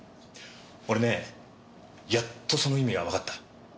俺ねやっとその意味がわかった。